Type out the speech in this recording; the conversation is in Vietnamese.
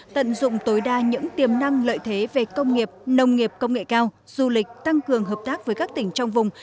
tận dụng tối đa những tiềm năng lợi thế về công nghiệp nông nghiệp công nghệ cao du lịch tăng cường hợp tác với các tỉnh trong vùng